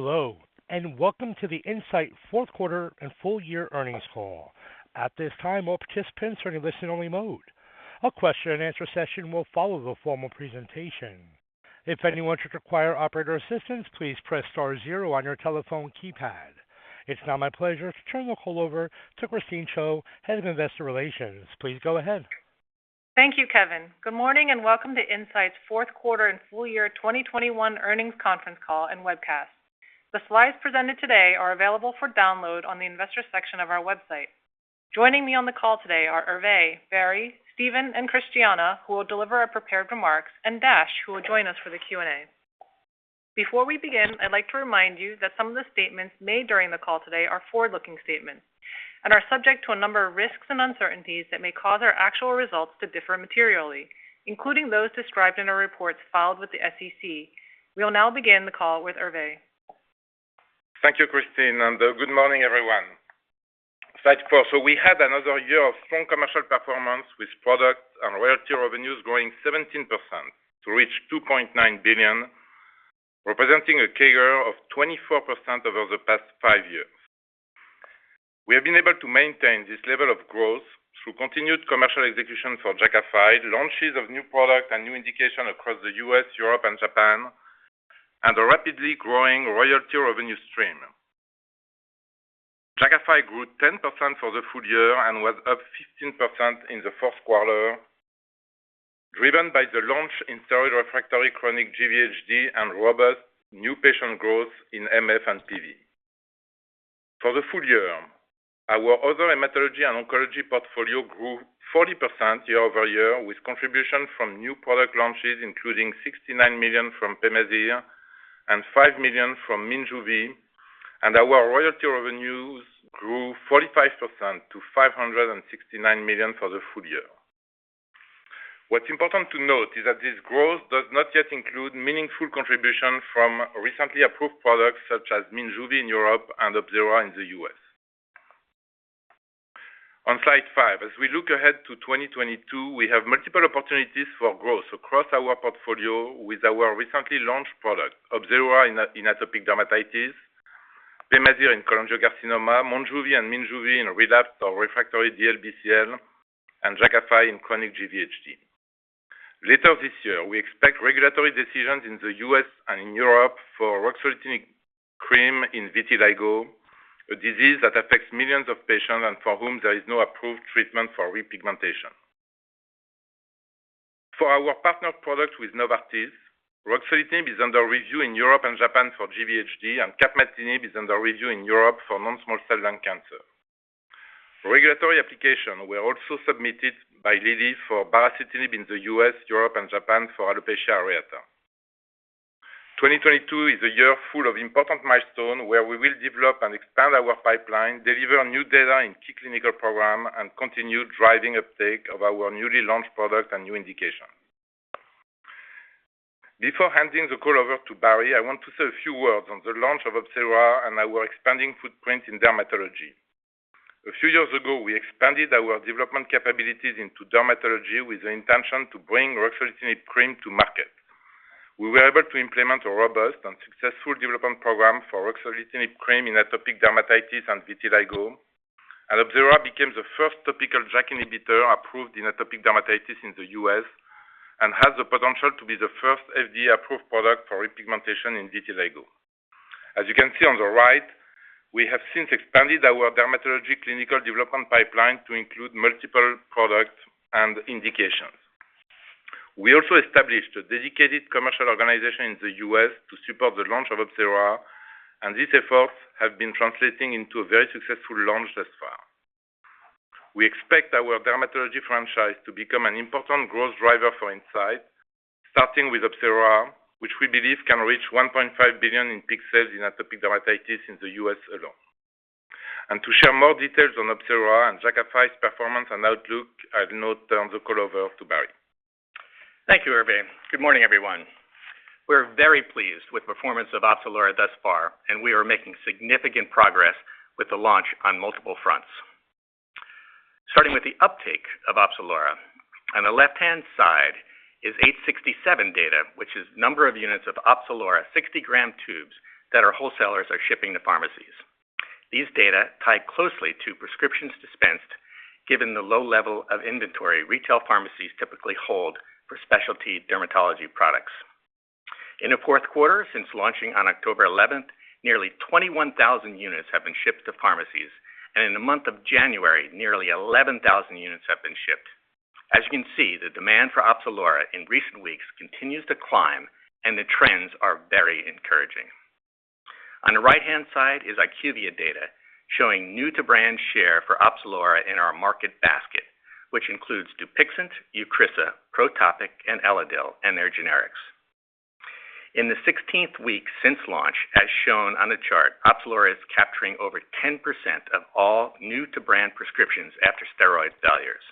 Hello, and welcome to the Incyte fourth quarter and full-year earnings call. At this time, all participants are in listen only mode. A question and answer session will follow the formal presentation. If anyone should require operator assistance, please press star zero on your telephone keypad. It's now my pleasure to turn the call over to Christine Cho, Head of Investor Relations. Please go ahead. Thank you, Kevin. Good morning and welcome to Incyte's fourth quarter and full-year 2021 earnings conference call and webcast. The slides presented today are available for download on the investor section of our website. Joining me on the call today are Hervé, Barry, Steven, and Christiana, who will deliver our prepared remarks, and Dash, who will join us for the Q&A. Before we begin, I'd like to remind you that some of the statements made during the call today are forward-looking statements and are subject to a number of risks and uncertainties that may cause our actual results to differ materially, including those described in our reports filed with the SEC. We'll now begin the call with Hervé. Thank you, Christine, and good morning, everyone. Slide 4. We had another year of strong commercial performance with product and royalty revenues growing 17% to reach $2.9 billion, representing a CAGR of 24% over the past five years. We have been able to maintain this level of growth through continued commercial execution for Jakafi, launches of new products and new indications across the U.S., Europe, and Japan, and a rapidly growing royalty revenue stream. Jakafi grew 10% for the full-year and was up 15% in the fourth quarter, driven by the launch in steroid-refractory chronic GVHD and robust new patient growth in MF and PV. For the full-year, our other hematology and oncology portfolio grew 40% year-over-year, with contributions from new product launches, including $69 million from Pemazyre and $5 million from Minjuvi. Our royalty revenues grew 45% to $569 million for the full-year. What's important to note is that this growth does not yet include meaningful contribution from recently approved products such as Minjuvi in Europe and Opzelura in the U.S. On slide 5, as we look ahead to 2022, we have multiple opportunities for growth across our portfolio with our recently launched product, Opzelura in atopic dermatitis, Pemazyre in cholangiocarcinoma, Monjuvi and Minjuvi in relapsed or refractory DLBCL, and Jakafi in chronic GVHD. Later this year, we expect regulatory decisions in The U.S. and in Europe for ruxolitinib cream in vitiligo, a disease that affects millions of patients and for whom there is no approved treatment for repigmentation. For our partner products with Novartis, ruxolitinib is under review in Europe and Japan for GVHD, and capmatinib is under review in Europe for non-small cell lung cancer. Regulatory applications were also submitted by Lilly for baricitinib in the U.S., Europe, and Japan for alopecia areata. 2022 is a year full of important milestones where we will develop and expand our pipeline, deliver new data in key clinical program, and continue driving uptake of our newly launched products and new indication. Before handing the call over to Barry, I want to say a few words on the launch of Opzelura and our expanding footprint in dermatology. A few years ago, we expanded our development capabilities into dermatology with the intention to bring ruxolitinib cream to market. We were able to implement a robust and successful development program for ruxolitinib cream in atopic dermatitis and vitiligo, and Opzelura became the first topical JAK inhibitor approved in atopic dermatitis in The U.S. and has the potential to be the first FDA-approved product for repigmentation in vitiligo. As you can see on the right, we have since expanded our dermatology clinical development pipeline to include multiple products and indications. We also established a dedicated commercial organization in The U.S. to support the launch of Opzelura, and these efforts have been translating into a very successful launch thus far. We expect our dermatology franchise to become an important growth driver for Incyte, starting with Opzelura, which we believe can reach $1.5 billion in peak sales in atopic dermatitis in the U.S. alone. To share more details on Opzelura and Jakafi's performance and outlook, I'll now turn the call over to Barry. Thank you, Hervé. Good morning, everyone. We're very pleased with performance of Opzelura thus far, and we are making significant progress with the launch on multiple fronts. Starting with the uptake of Opzelura. On the left-hand side is 867 data, which is number of units of Opzelura 60 g tubes that our wholesalers are shipping to pharmacies. These data tie closely to prescriptions dispensed given the low level of inventory retail pharmacies typically hold for specialty dermatology products. In the fourth quarter, since launching on October 11th, nearly 21,000 units have been shipped to pharmacies, and in the month of January, nearly 11,000 units have been shipped. As you can see, the demand for Opzelura in recent weeks continues to climb and the trends are very encouraging. On the right-hand side is IQVIA data showing new-to-brand share for Opzelura in our market basket, which includes Dupixent, Eucrisa, Protopic, and Elidel, and their generics. In the 16th week since launch, as shown on the chart, Opzelura is capturing over 10% of all new-to-brand prescriptions after steroid failures.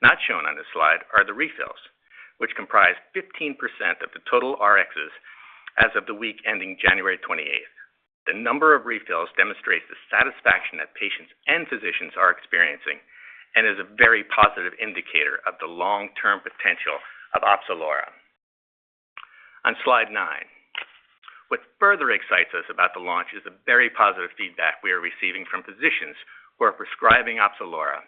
Not shown on this slide are the refills, which comprise 15% of the total Rxs as of the week ending January 28th. The number of refills demonstrates the satisfaction that patients and physicians are experiencing and is a very positive indicator of the long-term potential of Opzelura. On slide 9, what further excites us about the launch is the very positive feedback we are receiving from physicians who are prescribing Opzelura,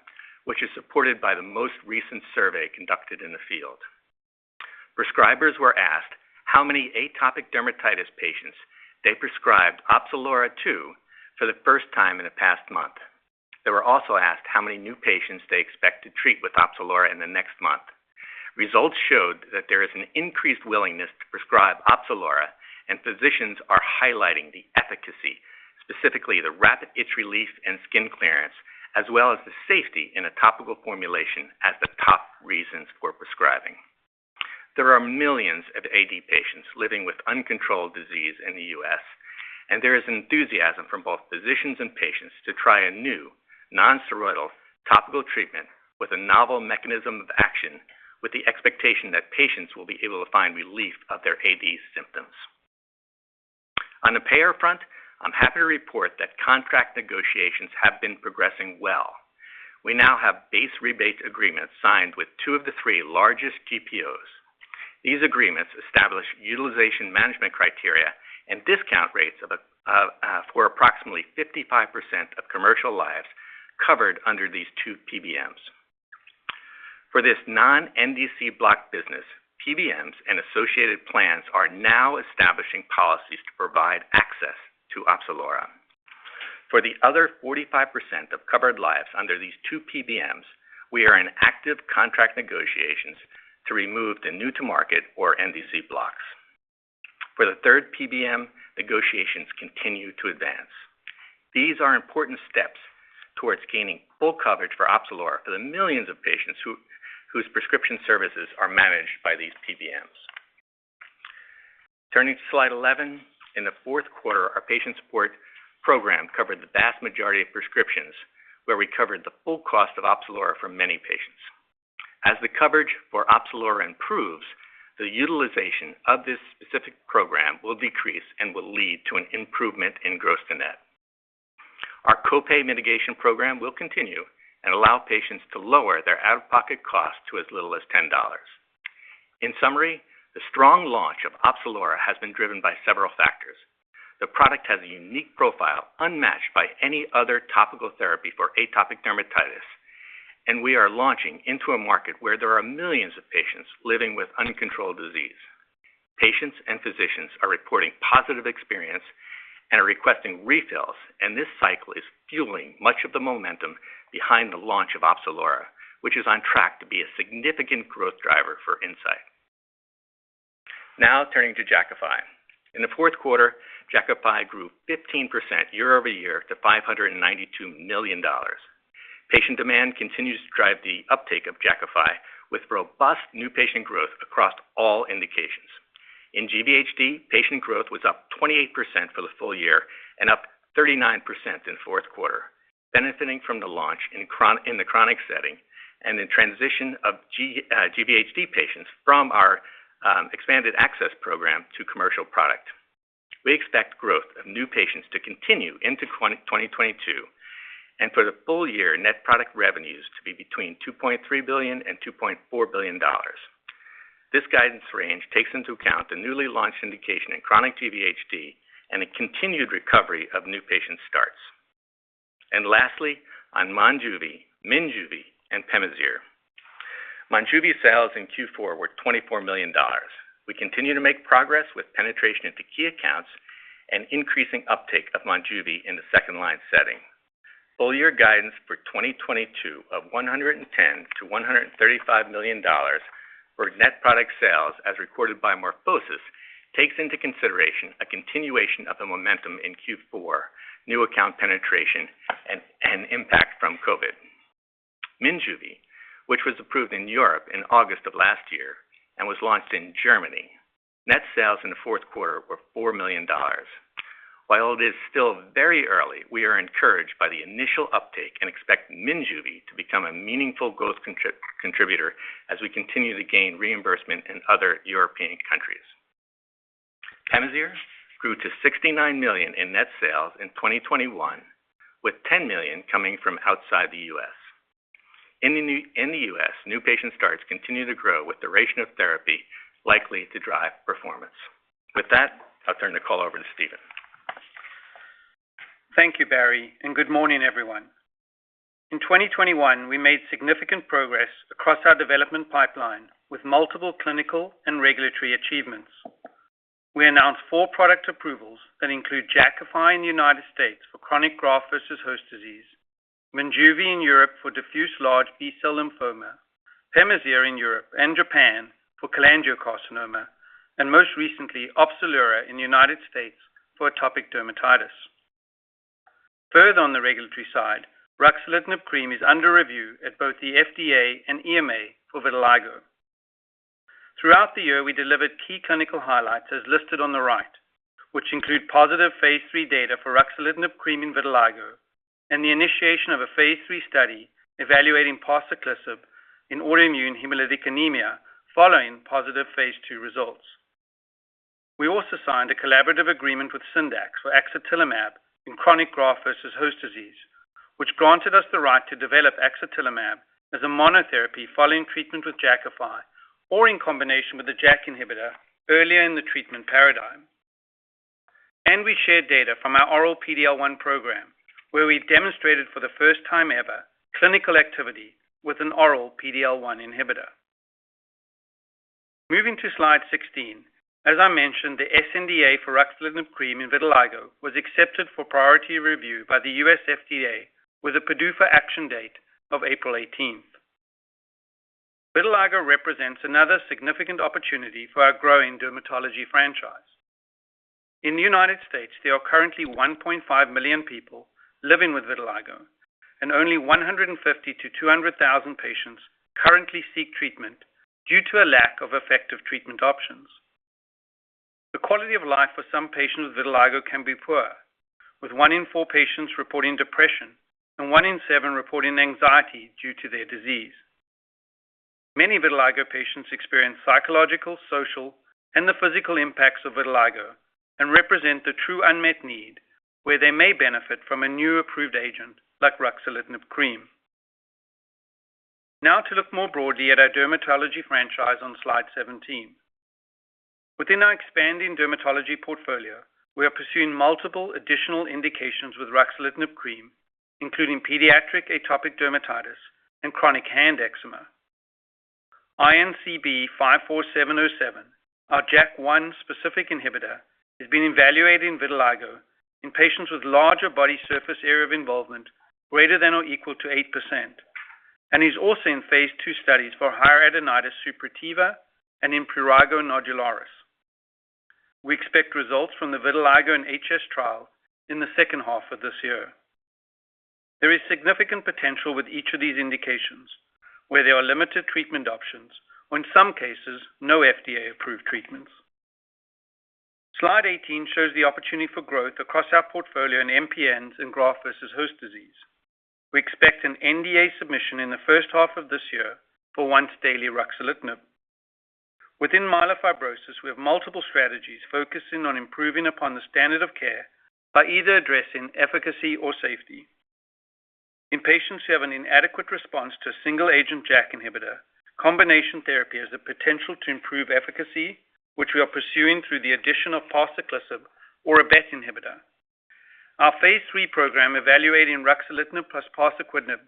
which is supported by the most recent survey conducted in the field. Prescribers were asked how many atopic dermatitis patients they prescribed Opzelura to for the first time in the past month. They were also asked how many new patients they expect to treat with Opzelura in the next month. Results showed that there is an increased willingness to prescribe Opzelura, and physicians are highlighting the efficacy, specifically the rapid itch relief and skin clearance, as well as the safety in a topical formulation, as the top reasons for prescribing. There are millions of AD patients living with uncontrolled disease in The U.S., and there is enthusiasm from both physicians and patients to try a new non-steroidal topical treatment with a novel mechanism of action, with the expectation that patients will be able to find relief of their AD symptoms. On the payer front, I'm happy to report that contract negotiations have been progressing well. We now have base rebate agreements signed with two of the three largest TPOs. These agreements establish utilization management criteria and discount rates for approximately 55% of commercial lives covered under these two PBMs. For this non-NDC block business, PBMs and associated plans are now establishing policies to provide access to Opzelura. For the other 45% of covered lives under these two PBMs, we are in active contract negotiations to remove the new-to-market or NDC blocks. For the third PBM, negotiations continue to advance. These are important steps towards gaining full coverage for Opzelura for the millions of patients whose prescription services are managed by these PBMs. Turning to slide 11. In the fourth quarter, our patient support program covered the vast majority of prescriptions, where we covered the full cost of Opzelura for many patients. As the coverage for Opzelura improves, the utilization of this specific program will decrease and will lead to an improvement in gross to net. Our co-pay mitigation program will continue and allow patients to lower their out-of-pocket costs to as little as $10. In summary, the strong launch of Opzelura has been driven by several factors. The product has a unique profile unmatched by any other topical therapy for atopic dermatitis, and we are launching into a market where there are millions of patients living with uncontrolled disease. Patients and physicians are reporting positive experience and are requesting refills, and this cycle is fueling much of the momentum behind the launch of Opzelura, which is on track to be a significant growth driver for Incyte. Now, turning to Jakafi. In the fourth quarter, Jakafi grew 15% year-over-year to $592 million. Patient demand continues to drive the uptake of Jakafi, with robust new patient growth across all indications. In GVHD, patient growth was up 28% for the full-year and up 39% in fourth quarter, benefiting from the launch in the chronic setting and the transition of GVHD patients from our expanded access program to commercial product. We expect growth of new patients to continue into 2022, and for the full-year net product revenues to be between $2.3 billion and $2.4 billion. This guidance range takes into account the newly launched indication in chronic GVHD and a continued recovery of new patient starts. Lastly, on Monjuvi, Minjuvi, and Pemazyre. Monjuvi sales in Q4 were $24 million. We continue to make progress with penetration into key accounts and increasing uptake of Monjuvi in the second line setting. Full-year guidance for 2022 of $110 million-$135 million for net product sales, as recorded by MorphoSys, takes into consideration a continuation of the momentum in Q4, new account penetration and impact from COVID. Minjuvi, which was approved in Europe in August of last year and was launched in Germany, net sales in the fourth quarter were $4 million. While it is still very early, we are encouraged by the initial uptake and expect Minjuvi to become a meaningful growth contributor as we continue to gain reimbursement in other European countries. Pemazyre grew to $69 million in net sales in 2021, with $10 million coming from outside The U.S. In The US, new patient starts continue to grow with duration of therapy likely to drive performance. With that, I'll turn the call over to Steven. Thank you, Barry, and good morning, everyone. In 2021, we made significant progress across our development pipeline with multiple clinical and regulatory achievements. We announced four product approvals that include Jakafi in the United States for chronic graft versus host disease, Minjuvi in Europe for diffuse large B-cell lymphoma, Pemazyre in Europe and Japan for cholangiocarcinoma, and most recently, Opzelura in the United States for atopic dermatitis. Further on the regulatory side, ruxolitinib cream is under review at both the FDA and EMA for vitiligo. Throughout the year, we delivered key clinical highlights as listed on the right, which include positive phase III data for ruxolitinib cream in vitiligo and the initiation of a phase III study evaluating parsaclisib in autoimmune hemolytic anemia following positive phase II results. We also signed a collaborative agreement with Syndax for axatilimab in chronic graft-versus-host disease, which granted us the right to develop axatilimab as a monotherapy following treatment with Jakafi or in combination with a JAK inhibitor earlier in the treatment paradigm. We shared data from our oral PD-L1 program, where we demonstrated for the first time ever, clinical activity with an oral PD-L1 inhibitor. Moving to slide 16. As I mentioned, the sNDA for ruxolitinib cream in vitiligo was accepted for priority review by the U.S. FDA with a PDUFA action date of April 18th. Vitiligo represents another significant opportunity for our growing dermatology franchise. In the United States, there are currently 1.5 million people living with vitiligo, and only 150,000 patients-200,000 patients currently seek treatment due to a lack of effective treatment options. The quality of life for some patients with vitiligo can be poor, with one in four patients reporting depression and one in seven reporting anxiety due to their disease. Many vitiligo patients experience psychological, social, and the physical impacts of vitiligo and represent the true unmet need where they may benefit from a new approved agent like ruxolitinib cream. Now to look more broadly at our dermatology franchise on slide 17. Within our expanding dermatology portfolio, we are pursuing multiple additional indications with ruxolitinib cream, including pediatric atopic dermatitis and chronic hand eczema. INCB54707, our JAK1 specific inhibitor, is being evaluated in vitiligo in patients with larger body surface area of involvement greater than or equal to 8%, and is also in phase II studies for hidradenitis suppurativa and in prurigo nodularis. We expect results from the vitiligo and HS trial in the second half of this year. There is significant potential with each of these indications where there are limited treatment options or in some cases, no FDA-approved treatments. Slide 18 shows the opportunity for growth across our portfolio in MPNs and graft-versus-host disease. We expect an NDA submission in the first half of this year for once daily ruxolitinib. Within myelofibrosis, we have multiple strategies focusing on improving upon the standard of care by either addressing efficacy or safety. In patients who have an inadequate response to a single-agent JAK inhibitor, combination therapy has the potential to improve efficacy, which we are pursuing through the addition of parsaclisib or a BET inhibitor. Our phase III program evaluating ruxolitinib plus parsaclisib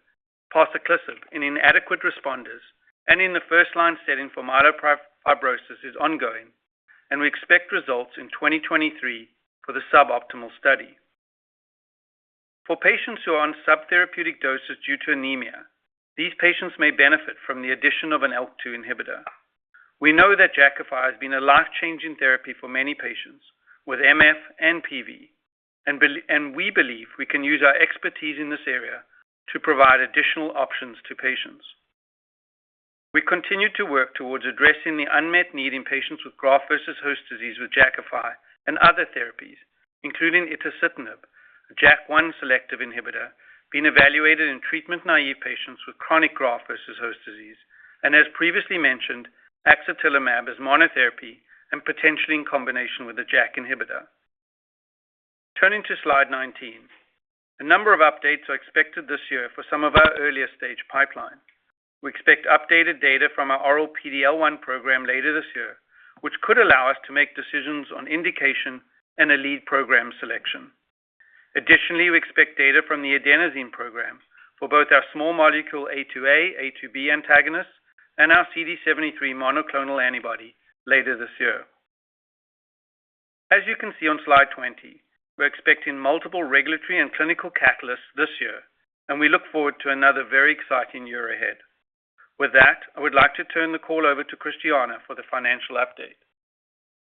in inadequate responders and in the first-line setting for myelofibrosis is ongoing, and we expect results in 2023 for the suboptimal study. For patients who are on subtherapeutic doses due to anemia, these patients may benefit from the addition of an IL-2 inhibitor. We know that Jakafi has been a life-changing therapy for many patients with MF and PV, and we believe we can use our expertise in this area to provide additional options to patients. We continue to work towards addressing the unmet need in patients with graft-versus-host disease with Jakafi and other therapies, including itacitinib, a JAK1 selective inhibitor being evaluated in treatment-naive patients with chronic graft-versus-host disease, and as previously mentioned, axatilimab as monotherapy and potentially in combination with a JAK inhibitor. Turning to slide 19. A number of updates are expected this year for some of our earlier stage pipeline. We expect updated data from our oral PD-L1 program later this year, which could allow us to make decisions on indication and a lead program selection. Additionally, we expect data from the adenosine program for both our small molecule A2A/A2B antagonists and our CD73 monoclonal antibody later this year. As you can see on slide 20, we're expecting multiple regulatory and clinical catalysts this year, and we look forward to another very exciting year ahead. With that, I would like to turn the call over to Christiana for the financial update.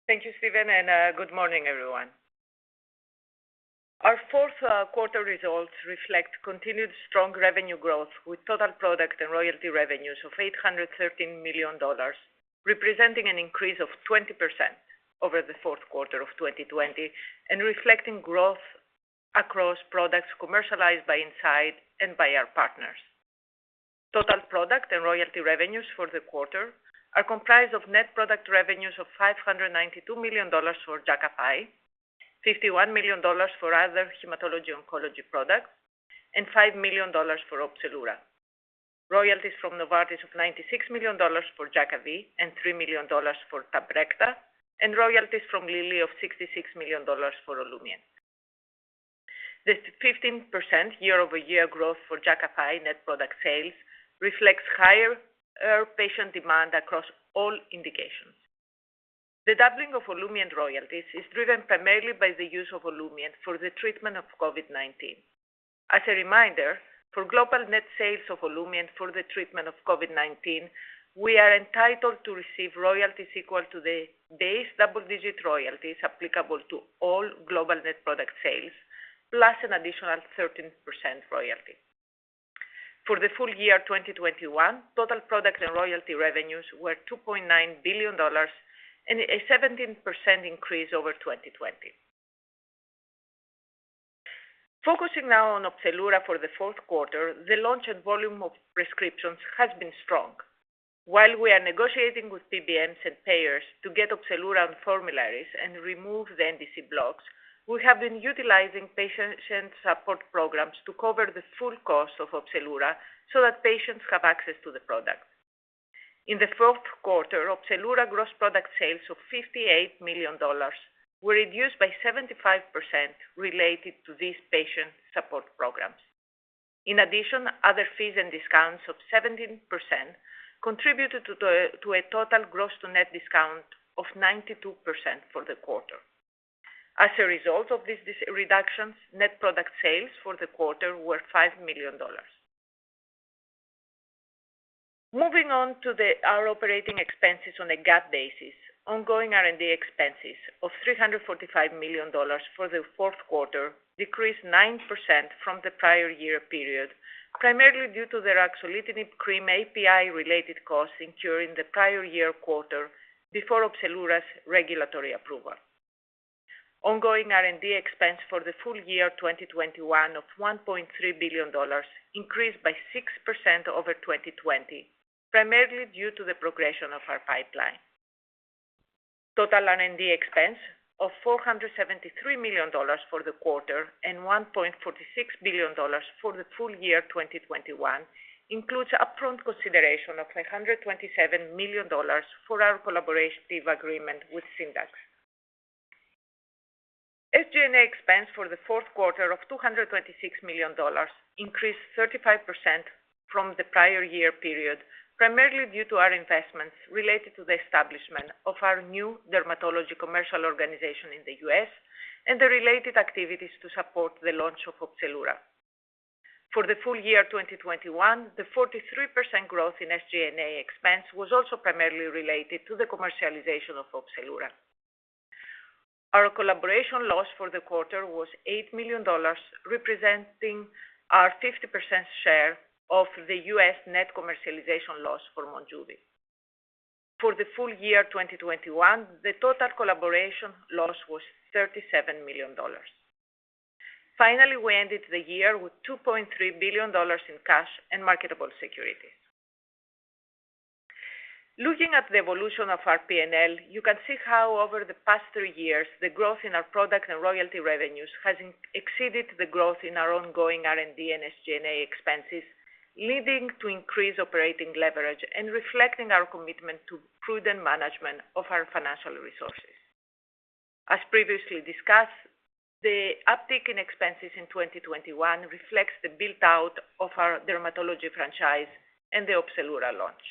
Thank you, Steven, and good morning, everyone. Our fourth quarter results reflect continued strong revenue growth with total product and royalty revenues of $813 million, representing an increase of 20% over the fourth quarter of 2020 and reflecting growth across products commercialized by Incyte and by our partners. Total product and royalty revenues for the quarter are comprised of net product revenues of $592 million for Jakafi, $51 million for other hematology oncology products, and $5 million for Opzelura. Royalties from Novartis of $96 million for Jakavi and $3 million for Tabrecta, and royalties from Lilly of $66 million for Olumiant. The 15% year-over-year growth for Jakafi net product sales reflects higher patient demand across all indications. The doubling of Olumiant royalties is driven primarily by the use of Olumiant for the treatment of COVID-19. As a reminder, for global net sales of Olumiant for the treatment of COVID-19, we are entitled to receive royalties equal to the base double-digit royalties applicable to all global net product sales, plus an additional 13% royalty. For the full-year 2021, total product and royalty revenues were $2.9 billion and a 17% increase over 2020. Focusing now on Opzelura for the fourth quarter, the launch and volume of prescriptions has been strong. While we are negotiating with PBMs and payers to get Opzelura on formularies and remove the NDC blocks, we have been utilizing patient support programs to cover the full cost of Opzelura so that patients have access to the product. In the fourth quarter, Opzelura gross product sales of $58 million were reduced by 75% related to these patient support programs. In addition, other fees and discounts of 17% contributed to a total gross to net discount of 92% for the quarter. As a result of these reductions, net product sales for the quarter were $5 million. Moving on to our operating expenses on a GAAP basis, ongoing R&D expenses of $345 million for the fourth quarter decreased 9% from the prior year period, primarily due to the ruxolitinib cream API-related costs incurred in the prior year quarter before Opzelura's regulatory approval. Ongoing R&D expense for the full-year 2021 of $1.3 billion increased by 6% over 2020, primarily due to the progression of our pipeline. Total R&D expense of $473 million for the quarter and $1.46 billion for the full-year 2021 includes upfront consideration of $127 million for our collaborative agreement with Syndax. SG&A expense for the fourth quarter of $226 million increased 35% from the prior year period, primarily due to our investments related to the establishment of our new dermatology commercial organization in The U.S. and the related activities to support the launch of Opzelura. For the full-year 2021, the 43% growth in SG&A expense was also primarily related to the commercialization of Opzelura. Our collaboration loss for the quarter was $8 million, representing our 50% share of The U.S. net commercialization loss for Monjuvi. For the full-year 2021, the total collaboration loss was $37 million. Finally, we ended the year with $2.3 billion in cash and marketable securities. Looking at the evolution of our P&L, you can see how over the past three years, the growth in our product and royalty revenues has exceeded the growth in our ongoing R&D and SG&A expenses, leading to increased operating leverage and reflecting our commitment to prudent management of our financial resources. As previously discussed, the uptick in expenses in 2021 reflects the build-out of our dermatology franchise and the Opzelura launch.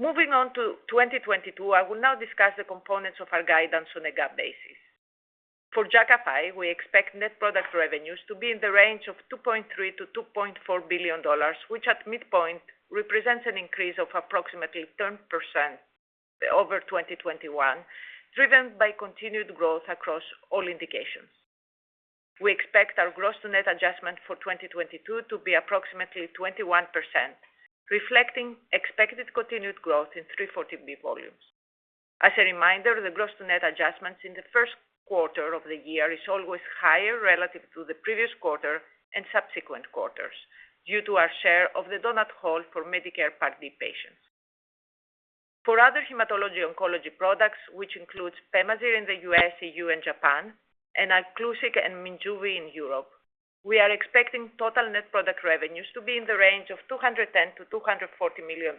Moving on to 2022, I will now discuss the components of our guidance on a GAAP basis. For Jakafi, we expect net product revenues to be in the range of $2.3 billion-$2.4 billion, which at midpoint represents an increase of approximately 10% over 2021, driven by continued growth across all indications. We expect our gross to net adjustment for 2022 to be approximately 21%, reflecting expected continued growth in 340B volumes. As a reminder, the gross to net adjustments in the first quarter of the year is always higher relative to the previous quarter and subsequent quarters due to our share of the donut hole for Medicare Part D patients. For other hematology oncology products, which includes Pemazyre in The U.S., EU, and Japan, and Iclusig and Minjuvi in Europe, we are expecting total net product revenues to be in the range of $210 million-$240 million,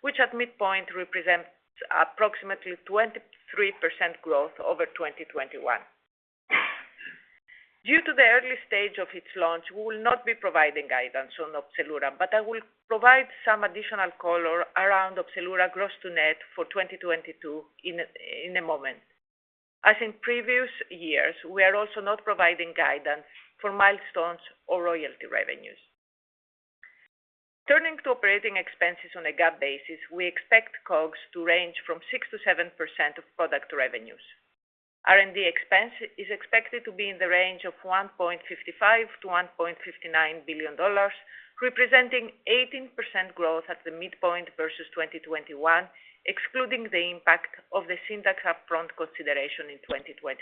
which at midpoint represents approximately 23% growth over 2021. Due to the early stage of its launch, we will not be providing guidance on Opzelura, but I will provide some additional color around Opzelura gross to net for 2022 in a moment. As in previous years, we are also not providing guidance for milestones or royalty revenues. Turning to operating expenses on a GAAP basis, we expect COGS to range from 6%-7% of product revenues. R&D expense is expected to be in the range of $1.55 billion-$1.59 billion, representing 18% growth at the midpoint versus 2021, excluding the impact of the Syndax upfront consideration in 2021.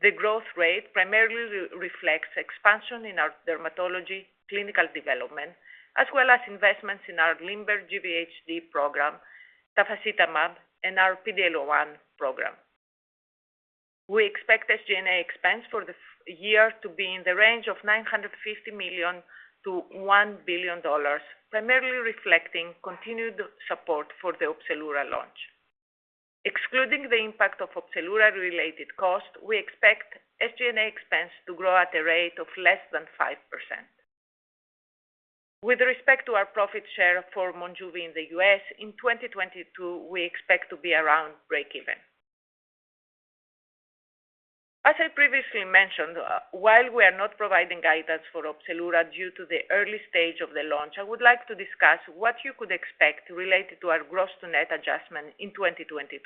The growth rate primarily reflects expansion in our dermatology clinical development, as well as investments in our LIMBER GVHD program, Tafasitamab, and our PD-1 program. We expect SG&A expense for the full-year to be in the range of $950 million-$1 billion, primarily reflecting continued support for the Opzelura launch. Excluding the impact of Opzelura-related costs, we expect SG&A expense to grow at a rate of less than 5%. With respect to our profit share for Monjuvi in The U.S., in 2022, we expect to be around breakeven. As I previously mentioned, while we are not providing guidance for Opzelura due to the early stage of the launch, I would like to discuss what you could expect related to our gross to net adjustment in 2022.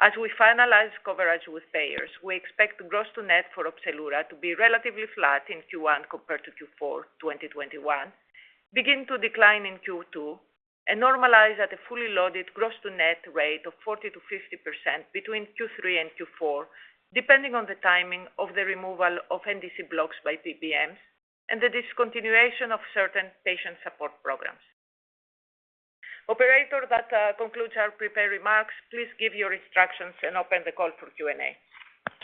As we finalize coverage with payers, we expect gross to net for Opzelura to be relatively flat in Q1 compared to Q4 2021, begin to decline in Q2 and normalize at a fully loaded gross to net rate of 40%-50% between Q3 and Q4, depending on the timing of the removal of NDC blocks by PBMs and the discontinuation of certain patient support programs. Operator, that concludes our prepared remarks. Please give your instructions and open the call for Q&A.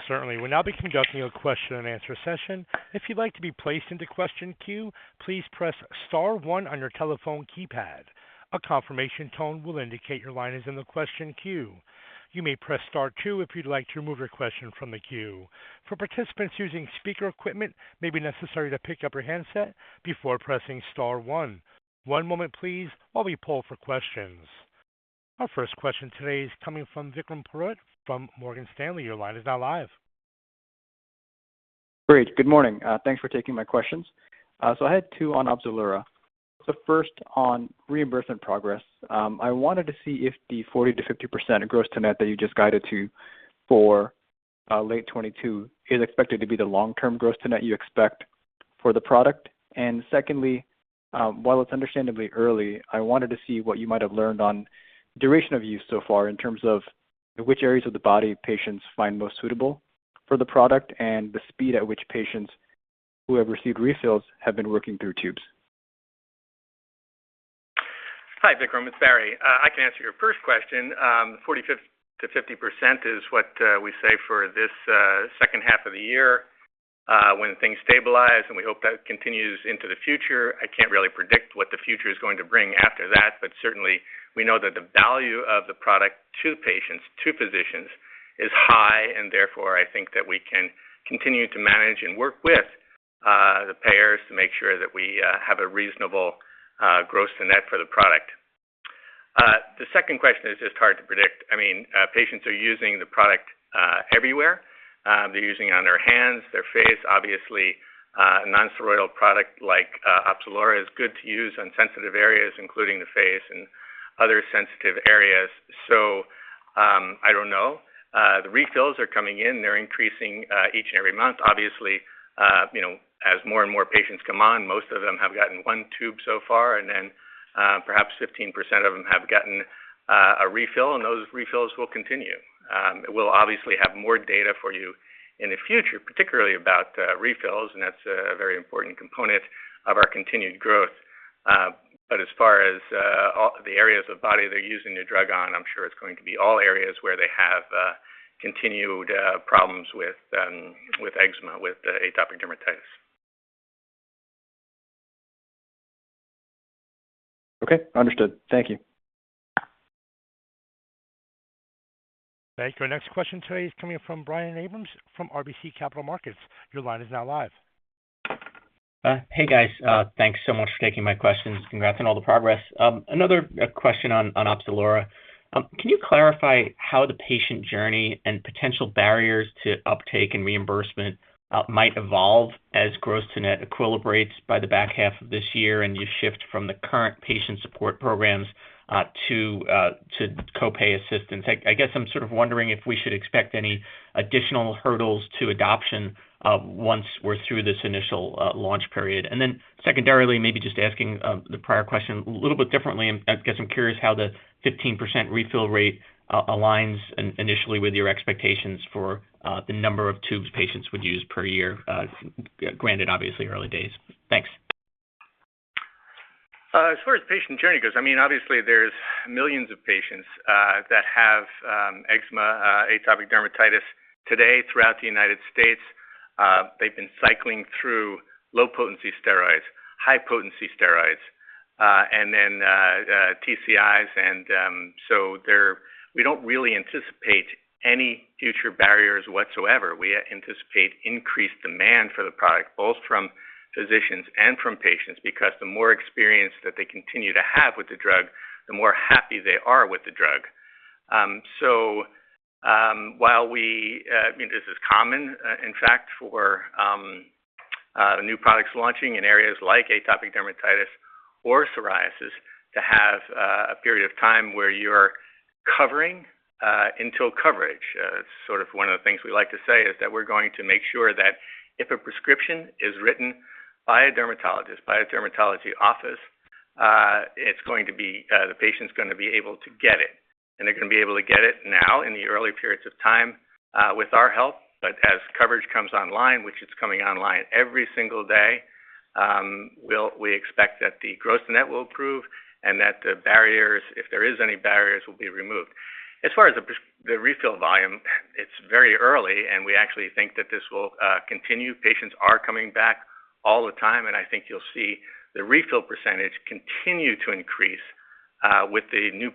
Certainly. We'll now be conducting a question and answer session. If you'd like to be placed into the question queue, please press star one on your telephone keypad. A confirmation tone will indicate your line is in the question queue. You may press star two if you'd like to remove your question from the queue. For participants using speaker equipment, it may be necessary to pick up your handset before pressing star one. One moment please, while we poll for questions. Our first question today is coming from Vikram Purohit from Morgan Stanley. Your line is now live. Great. Good morning. Thanks for taking my questions. I had two on Opzelura. The first on reimbursement progress. I wanted to see if the 40%-50% of gross to net that you just guided to for late 2022 is expected to be the long-term gross to net you expect for the product. Secondly, while it's understandably early, I wanted to see what you might have learned on duration of use so far in terms of which areas of the body patients find most suitable for the product and the speed at which patients who have received refills have been working through tubes. Hi, Vikram, it's Barry. I can answer your first question. 45%-50% is what we say for this second half of the year when things stabilize, and we hope that continues into the future. I can't really predict what the future is going to bring after that, but certainly we know that the value of the product to patients, to physicians is high and therefore I think that we can continue to manage and work with the payers to make sure that we have a reasonable gross to net for the product. The second question is just hard to predict. I mean, patients are using the product everywhere. They're using it on their hands, their face. Obviously, a non-steroidal product like Opzelura is good to use on sensitive areas, including the face and other sensitive areas. I don't know. The refills are coming in, they're increasing each and every month. Obviously, you know, as more and more patients come on, most of them have gotten one tube so far, and then perhaps 15% of them have gotten a refill, and those refills will continue. We'll obviously have more data for you in the future, particularly about refills, and that's a very important component of our continued growth. As far as the areas of body they're using the drug on, I'm sure it's going to be all areas where they have continued problems with eczema, with atopic dermatitis. Okay. Understood. Thank you. Thank you. Our next question today is coming from Brian Abrahams from RBC Capital Markets. Your line is now live. Hey, guys. Thanks so much for taking my questions. Congrats on all the progress. Another question on Opzelura. Can you clarify how the patient journey and potential barriers to uptake and reimbursement might evolve as gross to net equilibrates by the back half of this year, and you shift from the current patient support programs to co-pay assistance? I guess I'm sort of wondering if we should expect any additional hurdles to adoption once we're through this initial launch period. Secondarily, maybe just asking the prior question a little bit differently. I guess I'm curious how the 15% refill rate aligns initially with your expectations for the number of tubes patients would use per year. Granted, obviously early days. Thanks. As far as patient journey goes, I mean, obviously there's millions of patients that have eczema, atopic dermatitis today throughout the United States. They've been cycling through low-potency steroids, high-potency steroids, and then TCIs. We don't really anticipate any future barriers whatsoever. We anticipate increased demand for the product, both from physicians and from patients, because the more experience that they continue to have with the drug, the more happy they are with the drug. While we, I mean, this is common, in fact, for new products launching in areas like atopic dermatitis or psoriasis to have a period of time where you're covering until coverage. Sort of one of the things we like to say is that we're going to make sure that if a prescription is written by a dermatologist, by a dermatology office, it's going to be, the patient's gonna be able to get it, and they're gonna be able to get it now in the early periods of time, with our help. As coverage comes online, which it's coming online every single day, we'll expect that the gross net will improve and that the barriers, if there is any barriers, will be removed. As far as the refill volume, it's very early, and we actually think that this will continue. Patients are coming back all the time, and I think you'll see the refill percentage continue to increase, with the new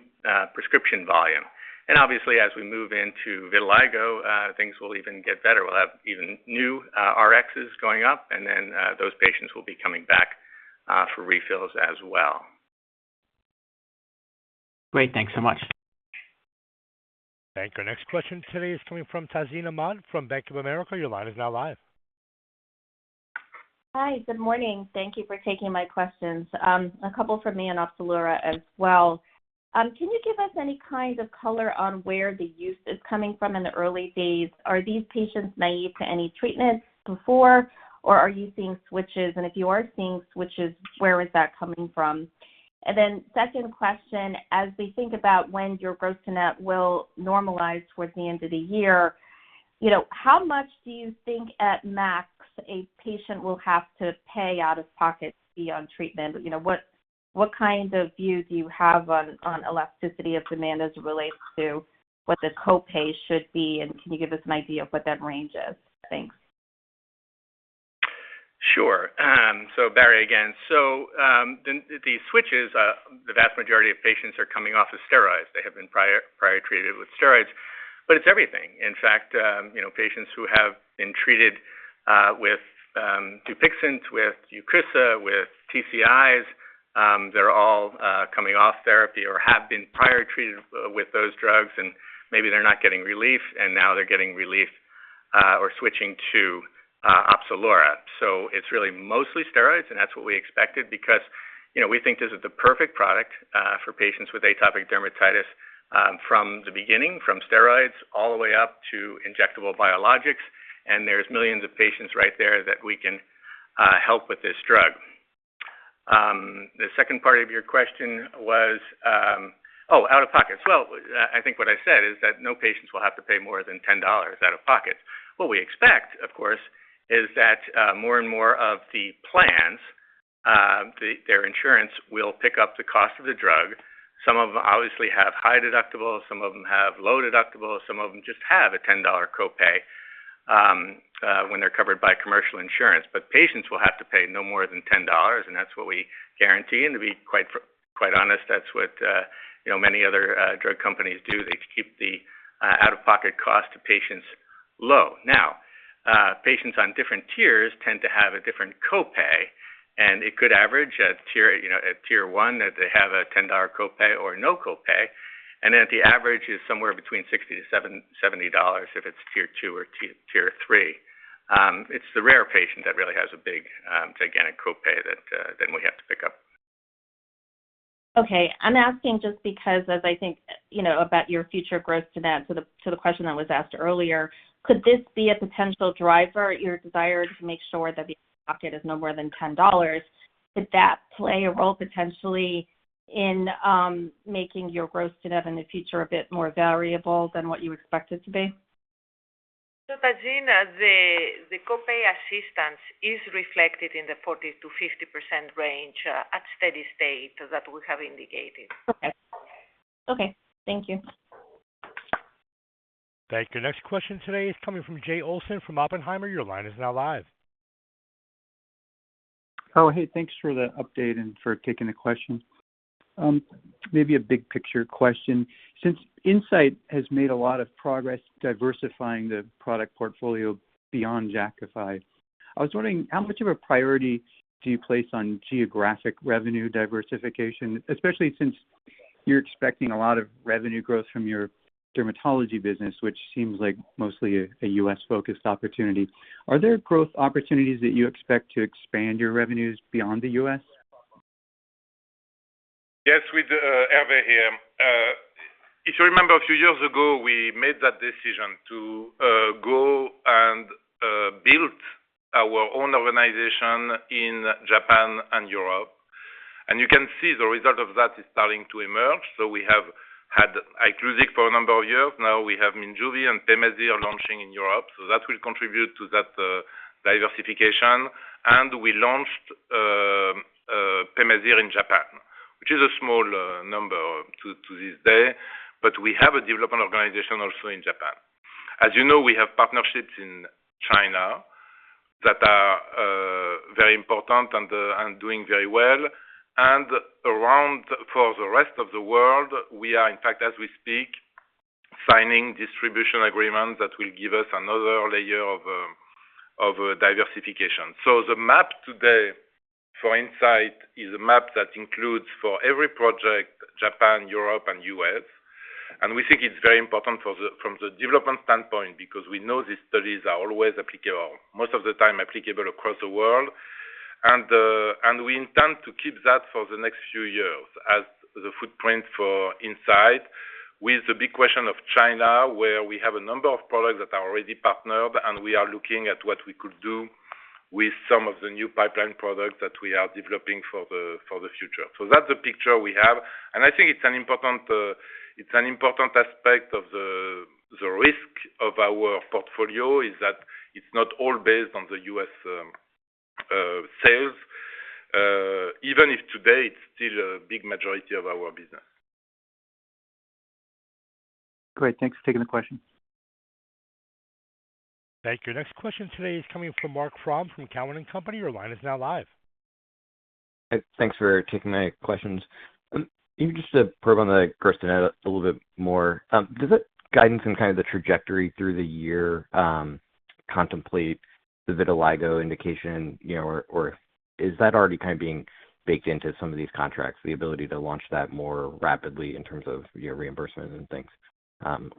prescription volume. Obviously, as we move into vitiligo, things will even get better. We'll have even new Rx's going up, and then those patients will be coming back for refills as well. Great. Thanks so much. Thank you. Our next question today is coming from Tazeen Ahmad from Bank of America. Your line is now live. Hi. Good morning. Thank you for taking my questions. A couple for me on Opzelura as well. Can you give us any kind of color on where the use is coming from in the early days? Are these patients naive to any treatments before, or are you seeing switches? And if you are seeing switches, where is that coming from? And then second question, as we think about when your gross-to-net will normalize towards the end of the year, you know, how much do you think at max a patient will have to pay out-of-pocket fee on treatment? You know, what kind of view do you have on elasticity of demand as it relates to what the co-pay should be, and can you give us an idea of what that range is? Thanks. Sure. Barry again. The switches, the vast majority of patients are coming off of steroids. They have been prior treated with steroids. It's everything. In fact, you know, patients who have been treated with Dupixent, with Eucrisa, with TCIs, they're all coming off therapy or have been prior treated with those drugs, and maybe they're not getting relief, and now they're getting relief, or switching to Opzelura. It's really mostly steroids, and that's what we expected because, you know, we think this is the perfect product for patients with atopic dermatitis, from the beginning, from steroids all the way up to injectable biologics. There's millions of patients right there that we can help with this drug. The second part of your question was. Oh, out of pocket. Well, I think what I said is that no patients will have to pay more than $10 out of pocket. What we expect, of course, is that more and more of the plans, their insurance will pick up the cost of the drug. Some of them obviously have high deductibles, some of them have low deductibles, some of them just have a $10 co-pay, when they're covered by commercial insurance. But patients will have to pay no more than $10, and that's what we guarantee. To be quite honest, that's what, you know, many other drug companies do. They keep the out-of-pocket cost to patients low. Now, patients on different tiers tend to have a different co-pay, and it could average at tier, you know, at tier 1 that they have a $10 co-pay or no co-pay. The average is somewhere between $60-$70 if it's tier 2 or tier 3. It's the rare patient that really has a big, gigantic co-pay that then we have to pick up. Okay. I'm asking just because as I think, you know, about your future growth to that, to the question that was asked earlier, could this be a potential driver, your desire to make sure that the out-of-pocket is no more than $10? Could that play a role potentially in making your growth to that in the future a bit more variable than what you expect it to be? Tazeen, the co-pay assistance is reflected in the 40%-50% range at steady state that we have indicated. Okay. Okay, thank you. Thank you. Next question today is coming from Jay Olson from Oppenheimer. Your line is now live. Oh, hey, thanks for the update and for taking the question. Maybe a big picture question. Since Incyte has made a lot of progress diversifying the product portfolio beyond Jakafi, I was wondering, how much of a priority do you place on geographic revenue diversification, especially since you're expecting a lot of revenue growth from your dermatology business, which seems like mostly a U.S.-focused opportunity? Are there growth opportunities that you expect to expand your revenues beyond the U.S.? Yes, with Hervé here. If you remember a few years ago, we made that decision to go and build our own organization in Japan and Europe. You can see the result of that is starting to emerge. We have had Iclusig for a number of years now. We have Minjuvi and Pemazyre launching in Europe, so that will contribute to that diversification. We launched Pemazyre in Japan, which is a small number to this day. We have a development organization also in Japan. As you know, we have partnerships in China that are very important and doing very well. Around for the rest of the world, we are, in fact, as we speak, signing distribution agreements that will give us another layer of diversification. The map today for Incyte is a map that includes, for every project, Japan, Europe, and U.S. We think it's very important from the development standpoint because we know these studies are always applicable, most of the time applicable across the world. We intend to keep that for the next few years as the footprint for Incyte with the big question of China, where we have a number of products that are already partnered, and we are looking at what we could do with some of the new pipeline products that we are developing for the future. That's the picture we have. I think it's an important aspect of the risk of our portfolio is that it's not all based on the U.S. sales, even if today it's still a big majority of our business. Great. Thanks for taking the question. Thank you. Next question today is coming from Marc Frahm from Cowen and Company. Your line is now live. Thanks for taking my questions. Maybe just to probe on the question a little bit more. Does that guidance and kind of the trajectory through the year contemplate the vitiligo indication, you know, or is that already kind of being baked into some of these contracts, the ability to launch that more rapidly in terms of, you know, reimbursement and things?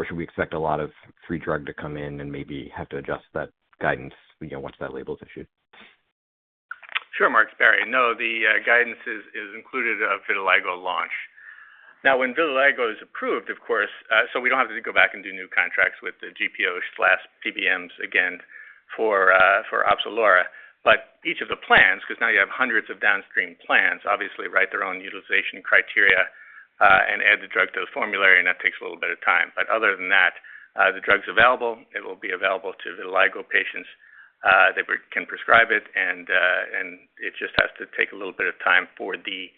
Should we expect a lot of free drug to come in and maybe have to adjust that guidance, you know, once that label is issued? Sure, Marc. It's Barry. No, the guidance is included of vitiligo launch. Now, when vitiligo is approved, of course, so we don't have to go back and do new contracts with the GPO/PBMs again for Opzelura. But each of the plans, 'cause now you have hundreds of downstream plans, obviously write their own utilization criteria, and add the drug to the formulary, and that takes a little bit of time. But other than that, the drug's available. It will be available to vitiligo patients, that we can prescribe it and it just has to take a little bit of time for the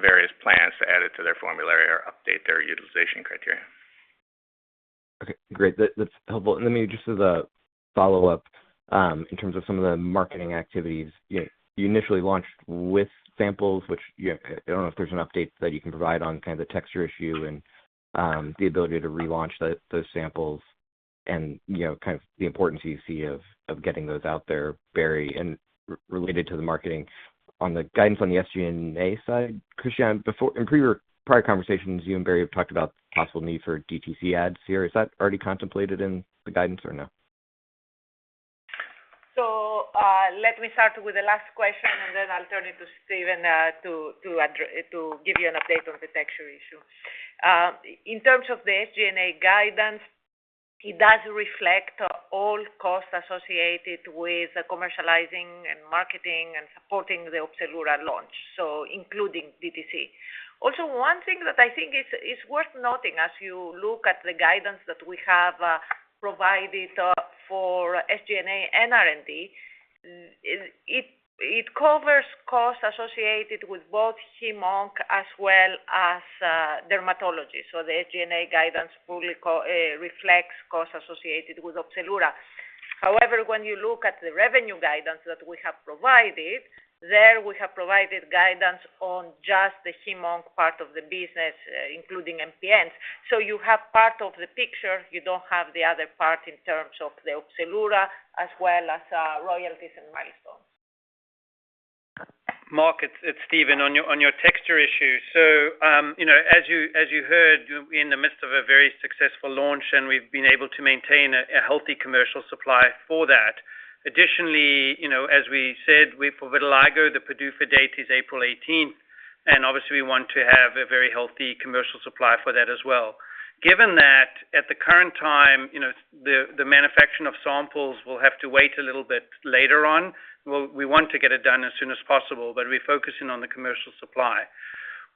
various plans to add it to their formulary or update their utilization criteria. Okay, great. That's helpful. Let me just as a follow-up in terms of some of the marketing activities. You initially launched with samples. I don't know if there's an update that you can provide on kind of the texture issue and the ability to relaunch those samples and you know kind of the importance you see of getting those out there, Barry. Related to the marketing, on the guidance on the SG&A side, Christiana, in prior conversations, you and Barry have talked about possible need for DTC ads here. Is that already contemplated in the guidance or no? Let me start with the last question, and then I'll turn it to Steven to give you an update on the texture issue. In terms of the SG&A guidance, it does reflect all costs associated with commercializing and marketing and supporting the Opzelura launch, including DTC. Also, one thing that I think is worth noting as you look at the guidance that we have provided for SG&A and R&D is it covers costs associated with both hemonc as well as dermatology. The SG&A guidance fully reflects costs associated with Opzelura. However, when you look at the revenue guidance that we have provided, there we have provided guidance on just the hemonc part of the business, including MPNs. You have part of the picture. You don't have the other part in terms of the Opzelura as well as royalties and milestones. Marc, it's Steven. On your texture issue. You know, as you heard, we're in the midst of a very successful launch, and we've been able to maintain a healthy commercial supply for that. Additionally, you know, as we said, with vitiligo, the PDUFA date is April 18th, and obviously we want to have a very healthy commercial supply for that as well. Given that, at the current time, you know, the manufacturing of samples will have to wait a little bit later on. We want to get it done as soon as possible, but we're focusing on the commercial supply.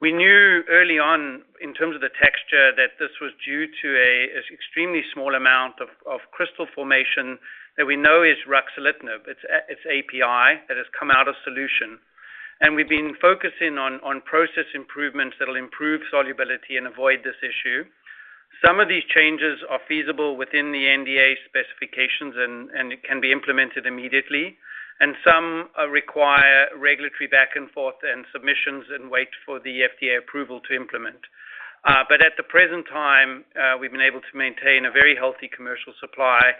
We knew early on in terms of the texture that this was due to an extremely small amount of crystal formation that we know is ruxolitinib. It's API that has come out of solution. We've been focusing on process improvements that'll improve solubility and avoid this issue. Some of these changes are feasible within the NDA specifications and it can be implemented immediately, and some require regulatory back and forth and submissions and wait for the FDA approval to implement. At the present time, we've been able to maintain a very healthy commercial supply,